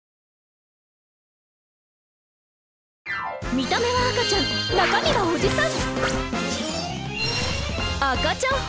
見た目は赤ちゃん中身はおじさん！